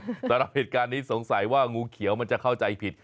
แต่เวลาเริ่มเอาเกตการณ์นี้สงสัยว่างูเขียวมันจะเข้าใจผิด